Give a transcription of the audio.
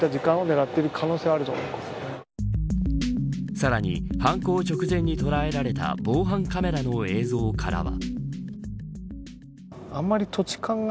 さらに犯行直前に捉えられた防犯カメラの映像からは。